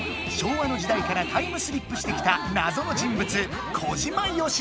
昭和の時代からタイムスリップしてきた謎の人物